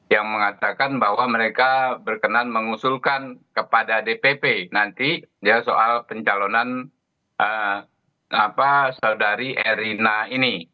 yang mengatakan bahwa mereka berkenan mengusulkan kepada dpp nanti soal pencalonan saudari erina ini